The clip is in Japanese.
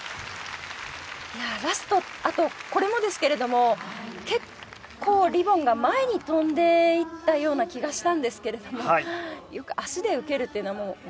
いやラストあとこれもですけれども結構リボンが前に飛んでいったような気がしたんですけれども足で受けるっていうのはもう。